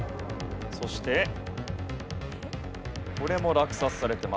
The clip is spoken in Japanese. そしてこれも落札されています。